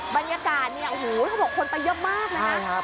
บรรยากาศนี่พบคนเป็นเยอะมาก